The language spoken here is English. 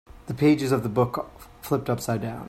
The pages of the book flipped upside down.